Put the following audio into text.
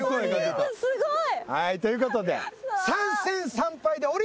はいということで。